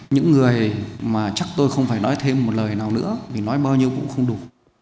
những người mà chắc tôi không phải nói thêm một lời nào nữa vì nói bao nhiêu cũng không đủ